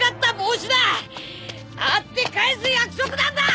会って返す約束なんだ！